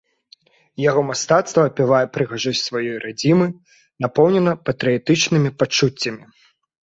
Яго мастацтва апявае прыгажосць сваёй радзімы, напоўнена патрыятычнымі пачуццямі.